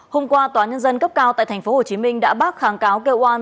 hôm qua tòa nhân dân cấp cao tại tp hcm đã bác kháng cáo kêu an